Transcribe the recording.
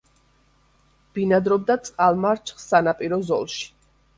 ბინადრობდა წყალმარჩხ სანაპირო ზოლში.